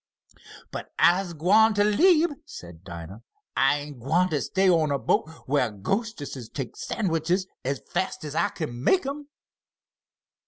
"But I'se gwine t' leab," said Dinah. "I ain't gwine stay on a boat, where ghostests takes sandwiches as fast as I can make 'em."